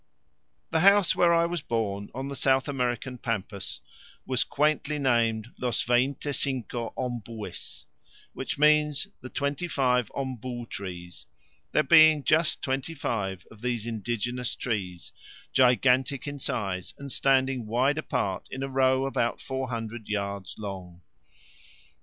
The house where I was born, on the South American pampas, was quaintly named Los Veinte cinco Ombues, which means "The Twenty five Ombu Trees," there being just twenty five of these indigenous trees gigantic in size, and standing wide apart in a row about 400 yards long.